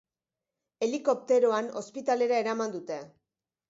Helikopteroan ospitalera eraman dute.